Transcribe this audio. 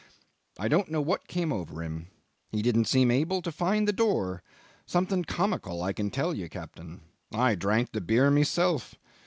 I don't know what came over him; he didn't seem able to find the door; something comical, I can tell you, captain. I drank the beer myself.